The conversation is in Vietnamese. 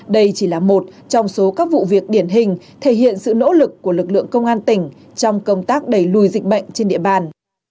đây chỉ là một trong số các vụ việc điển hình thể hiện sự nỗ lực của lực lượng công an tỉnh trong công tác đẩy lùi dịch bệnh trên địa bàn